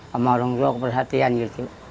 sama orang tua keperhatian gitu